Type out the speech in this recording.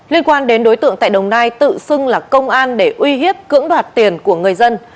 liên quan đến đối tượng tại đồng nai tự xưng là công an để uy hiếp cưỡng đoạt tiền của người dân